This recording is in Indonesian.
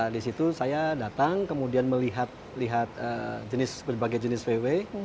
di situ saya datang kemudian melihat berbagai jenis vw